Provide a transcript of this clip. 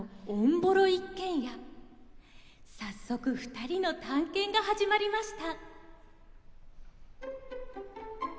早速２人の探検が始まりました。